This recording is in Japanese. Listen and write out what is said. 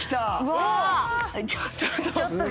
ちょっと。